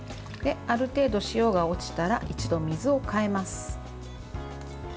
ある程度、塩が落ちたら一度水を替えます。